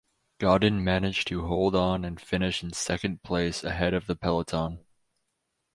Gaudin managed to hold on and finish in second place ahead of the peloton.